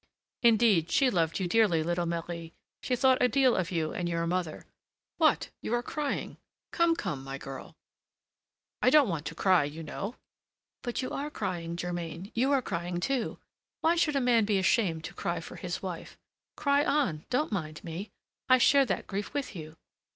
"Indeed, she loved you dearly, little Marie; she thought a deal of you and your mother. What! you are crying! Come, come, my girl, I don't want to cry, you know " "But you are crying, Germain! You are crying, too! Why should a man be ashamed to cry for his wife? Cry on, don't mind me! I share that grief with you!"